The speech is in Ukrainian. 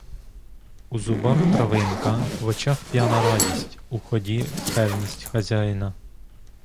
У зубах травинка, в очах п'яна радість, у ході певність хазяїна.